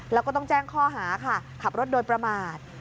แล้วก็ต้องแจ้งข้อหาค่ะขับรถโดยประมาท